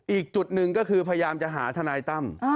อีกจุดหนึ่งก็คือพยายามจะหาทนายตั้ม